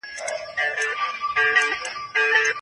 انیل بخش